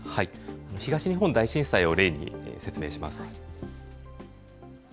東日本大震災を例に説明します。